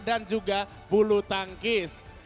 dan juga bulu tangkis